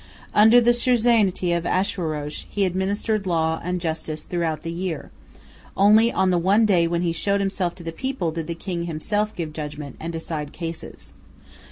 Under the suzerainty of Ashwerosh he administered law and justice throughout the year; only on the one day when he showed himself to the people did the king himself give judgment and decide cases.